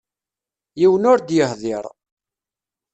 Yiwen ur d-yehdiṛ.